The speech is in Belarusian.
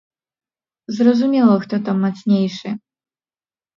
Зразумела, хто там мацнейшы.